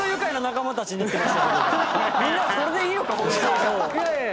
みんなはそれでいいのか？